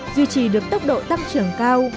duy trì được tốc độ tăng trưởng cao